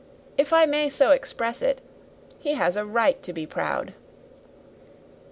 If I may so express it, he has a right to be proud."